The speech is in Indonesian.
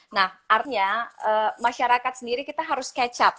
nah artinya masyarakat sendiri kita harus catch up